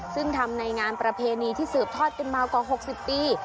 ซึ่งทำในงานประเพณีที่สืบทอดกันมากว่า๖๐ปี